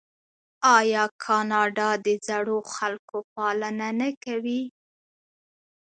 آیا کاناډا د زړو خلکو پالنه نه کوي؟